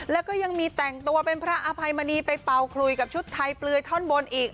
แล้วก็ยังมีแต่งตัวเป็นพระอภัยมณีไปเป่าคลุยกับชุดไทยเปลือยท่อนบนอีก